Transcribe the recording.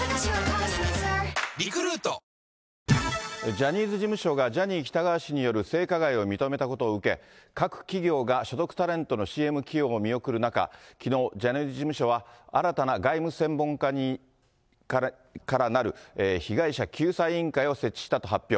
ジャニーズ事務所がジャニー喜多川氏による性加害を認めたことを受け、各企業が所属タレントのＣＭ起用を見送る中、きのう、ジャニーズ事務所は、新たな外務専門家からなる被害者救済委員会を設置したと発表。